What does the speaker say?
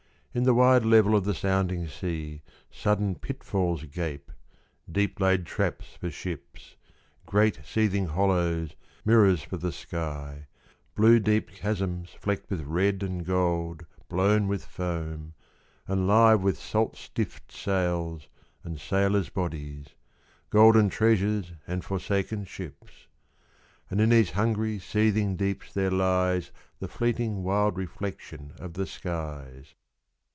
In the wide level of the sounding sea Sudden pitfalls gape : Deep laid traps for ships, Great seething hollows, mirrors for the sky, Blue deep chasms flecked with red and gold Blown with foam, and live With salt stiff 'd sails and sailors' bodies, Golden treasures and forsaken ships. — And in these hungry seething deeps there lies The fleeting wild reflection of the skies.